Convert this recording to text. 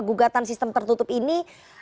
gugatan sistem tertutup ini